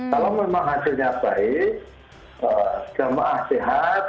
kalau memang hasilnya baik jemaah sehat